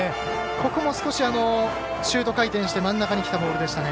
ここも少しシュート回転して真ん中にきたボールでしたね。